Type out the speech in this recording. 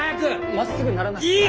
まっすぐにならない。